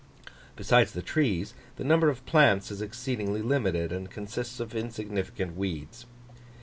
Besides the trees, the number of plants is exceedingly limited, and consists of insignificant weeds.